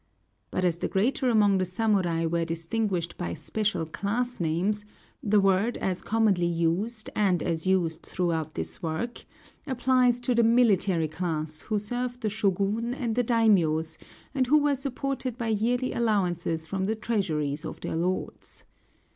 But as the greater among the samurai were distinguished by special class names, the word as commonly used, and as used throughout this work, applies to the military class, who served the Shōgun and the daimiōs, and who were supported by yearly allowances from the treasuries of their lords.